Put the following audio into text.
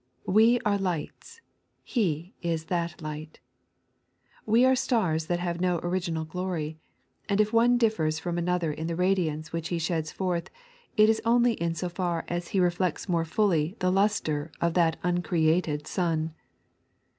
We are lights ; He is " that Light." We are stars that have no original glory, and if one differs from another in the radiance which he sheds forth, it is only in so far as he reflects more fully the liistre of that uncreated Sun.